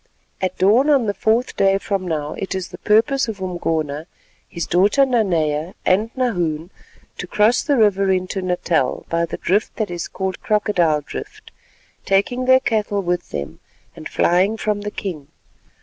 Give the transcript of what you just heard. At dawn on the fourth day from now it is the purpose of Umgona, his daughter Nanea, and Nahoon, to cross the river into Natal by the drift that is called Crocodile Drift, taking their cattle with them and flying from the king.